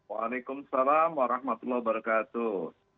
waalaikumsalam warahmatullahi wabarakatuh